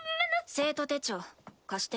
生徒手帳貸して。